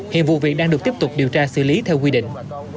hiện vụ việc đang được tiếp tục điều tra xử lý theo quy định